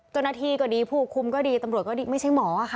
เจ้าหน้าที่ก็ดีผู้คุมก็ดีตำรวจก็ไม่ใช่หมอค่ะ